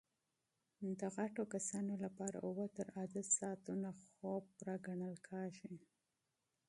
د بالغو کسانو لپاره اووه تر اته ساعتونه خوب کافي ګڼل کېږي.